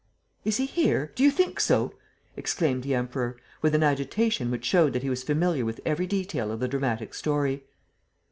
"Is he here? Do you think so?" exclaimed the Emperor, with an agitation which showed that he was familiar with every detail of the dramatic story.